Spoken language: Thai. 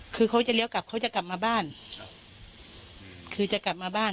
คือเขาจะเลี้ยวกลับเขาจะกลับมาบ้านคือจะกลับมาบ้าน